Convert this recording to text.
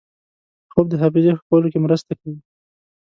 خوب د حافظې ښه کولو کې مرسته کوي